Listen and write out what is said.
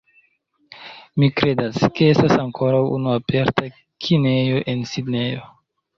Mi kredas, ke estas ankoraŭ unu aperta kinejo en Sidnejo